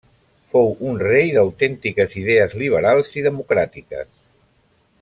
Fou un rei d'autèntiques idees liberals i democràtiques.